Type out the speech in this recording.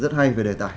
rất hay về đề tải